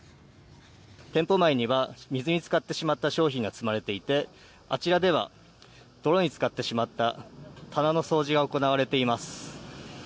店舗内には水につかってしまった商品が積まれていてあちらでは泥につかってしまった棚の掃除が行われています。